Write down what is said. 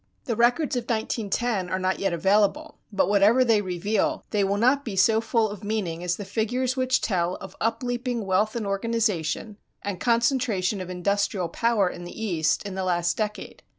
The records of 1910 are not yet available, but whatever they reveal they will not be so full of meaning as the figures which tell of upleaping wealth and organization and concentration of industrial power in the East in the last decade.